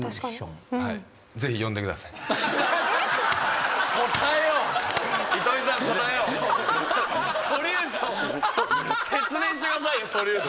説明してくださいよソリューション。